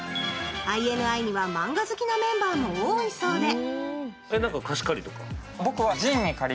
ＩＮＩにはマンガ好きのメンバーも多いそうで。